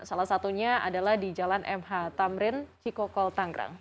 salah satunya adalah di jalan mh tamrin cikokol tanggrang